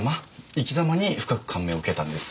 生きざまに深く感銘を受けたんです。